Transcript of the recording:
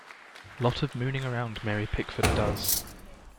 Lot of mooning around Mary Pickford does!